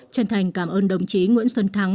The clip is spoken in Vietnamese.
chân thành cảm ơn đồng chí nguyễn xuân thắng